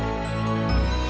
bernafas memangavaitnya kamu